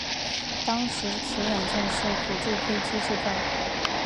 当时此软件是辅助飞机建造。